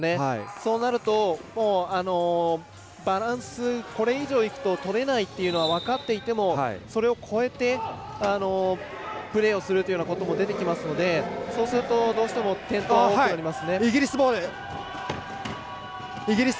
そうなると、もうバランスこれ以上いくととれないっていうのが分かっていてもそれを超えてプレーをするというようなことも出てきますのでそうすると、どうしても転倒が多くなります。